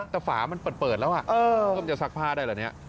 แต่ฝามันเปิดแล้วเริ่มจะซักผ้าได้เหรอเนี่ย